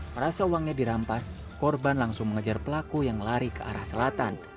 merasa uangnya dirampas korban langsung mengejar pelaku yang lari ke arah selatan